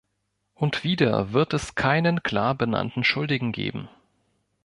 Und wieder wird es keinen klar benannten Schuldigen geben.